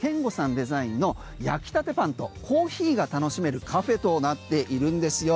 デザインの焼きたてパンとコーヒーが楽しめるカフェとなっているんですよ。